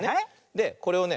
これをね